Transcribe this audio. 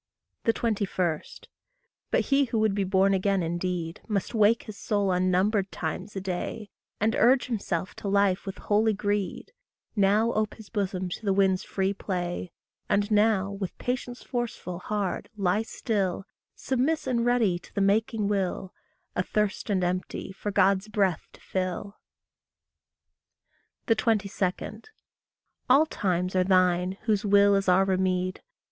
21. But he who would be born again indeed, Must wake his soul unnumbered times a day, And urge himself to life with holy greed; Now ope his bosom to the Wind's free play; And now, with patience forceful, hard, lie still, Submiss and ready to the making will, Athirst and empty, for God's breath to fill. 22. All times are thine whose will is our remede.